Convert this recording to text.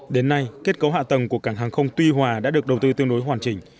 đến nay kết cấu hạ tầng của cảng hàng không tuy hòa đã được đầu tư tương đối hoàn chỉnh